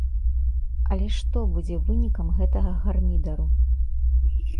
Але што будзе вынікам гэтага гармідару?